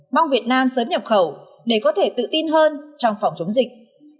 mong việt nam sớm nhập khẩu để có thể tự tin hơn trong phòng chống dịch